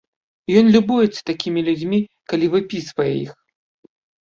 Ён любуецца такімі людзьмі, калі выпісвае іх.